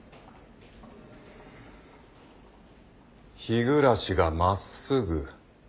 日暮がまっすぐ？